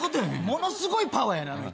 ものすごいパワーあの人。